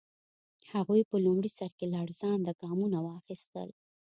هغوی په لومړي سر کې لړزانده ګامونه واخیستل.